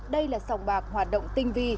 đây là sòng bạc hoạt động tinh vi